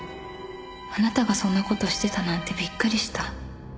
「あなたがそんなことしてたなんてビックリした」